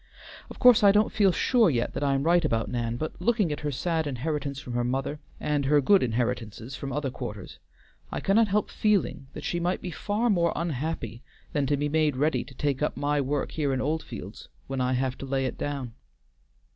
Of course I don't feel sure yet that I am right about Nan, but looking at her sad inheritance from her mother, and her good inheritances from other quarters, I cannot help feeling that she might be far more unhappy than to be made ready to take up my work here in Oldfields when I have to lay it down.